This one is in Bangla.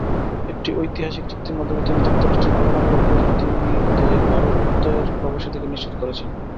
একটি ঐতিহাসিক চুক্তির মাধ্যমে তিনি যুক্তরাষ্ট্রের পারমাণবিক প্রযুক্তিতেভারতের প্রবেশাধিকার নিশ্চিত করেছেন।